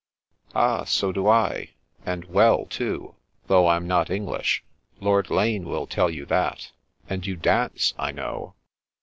" Ah, so do I, and well, too, though Fm not Eng lish. Lord Lane will tell you that. And you dance, I know."